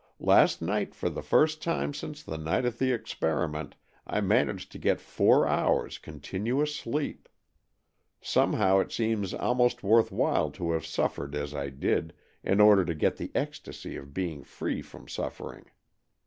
" Last night, for the first time since the night of the experi ment, I managed to get four hours' con tinuous sleep. Somehow it seems almost worth while to have suffered as I did, in order to get the ecstasy of being free from suffer ing.